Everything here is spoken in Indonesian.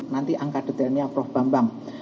nanti angka detailnya prof bambang